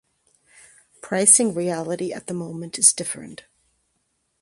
Pricing reality at the moment is different.